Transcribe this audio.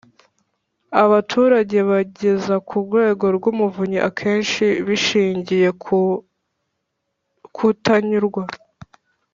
Abaturage bageza ku urwego rw umuvunyi akenshi bishingiye ku kutanyurwa